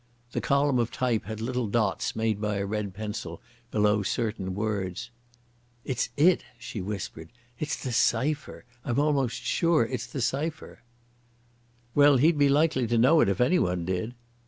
The column of type had little dots made by a red pencil below certain words. "It's it," she whispered, "it's the cipher—I'm almost sure it's the cipher!" "Well, he'd be likely to know it if anyone did."